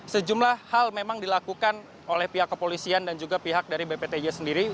sejumlah hal memang dilakukan oleh pihak kepolisian dan juga pihak dari bptj sendiri